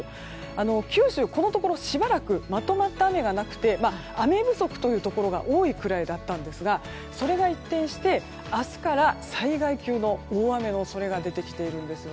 このところしばらく、まとまった雨がなくて雨不足というところが多いくらいだったんですがそれが一転して明日から災害級の大雨の恐れが出てきています。